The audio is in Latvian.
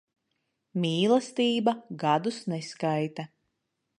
Mīlestība gadus neskaita.